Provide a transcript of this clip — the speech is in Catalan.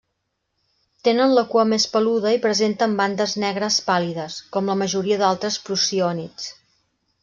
Tenen la cua més peluda i presenten bandes negres pàl·lides, com la majoria d'altres prociònids.